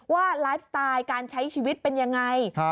ว่าไลฟ์สไตล์การใช้ชีวิตเป็นยังไง